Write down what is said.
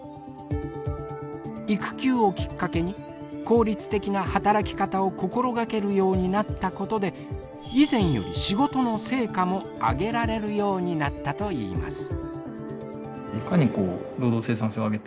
育休をきっかけに効率的な働き方を心がけるようになったことで以前より仕事の成果もあげられるようになったといいます。